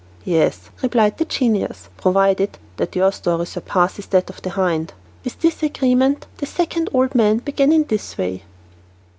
"Yes," replied the genius, "provided that your story surpasses that of the hind." With this agreement the second old man began in this way.